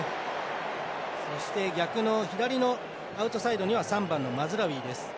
そして、逆の左のアウトサイドには３番のマズラウイです。